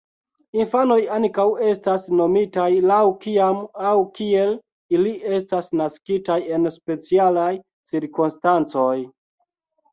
Infanoj ankaŭ estas nomitaj laŭ kiam aŭ kiel ili estas naskitaj en specialaj cirkonstancoj.